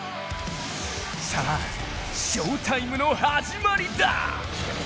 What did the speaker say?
さあ、翔タイムの始まりだ！